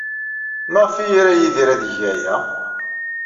Maɣef ay ira Yidir ad yeg aya?